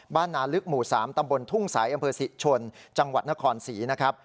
นาลึกหมู่๓ตำบลทุ่งสายอำเภอศรีชนจังหวัดนครศรีนะครับ